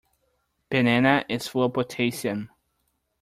Banana is full of potassium.